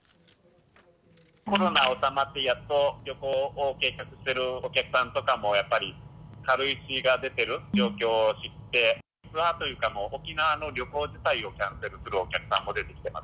コロナ収まって、やっと旅行を計画しているお客さんとかも、やっぱり軽石が出てる状況を知って、ツアーというか、もう沖縄の旅行自体をキャンセルするお客さんも出てきてます。